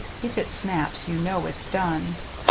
If it snaps you know it's done.